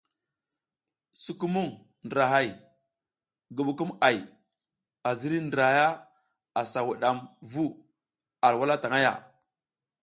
Sukumung ndrahay, ngubukumʼay a ziriy ndra asa wudam vu a wala tang ya.